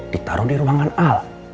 ditaruh di ruangan al